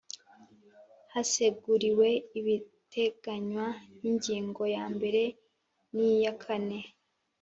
Haseguriwe ibiteganywa n Ingingo ya mbere niyakane